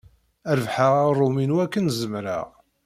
Rebbḥeɣ aɣrum-inu akken zemreɣ.